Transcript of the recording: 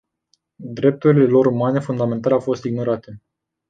Drepturile lor umane fundamentale au fost ignorate.